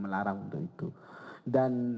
melarang untuk itu dan